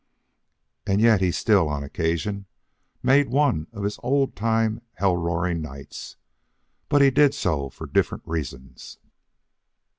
And yet he still, on occasion, made one of his old time hell roaring nights. But he did so for different reasons.